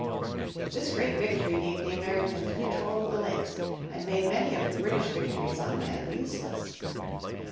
This great victory gave the Americans control of the Lakes and made many of the British victories on land useless.